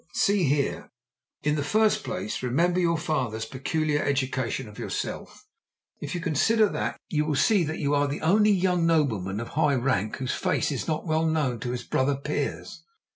See here. In the first place, remember your father's peculiar education of yourself. If you consider that, you will see that you are the only young nobleman of high rank whose face is not well known to his brother peers.